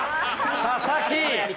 佐々木。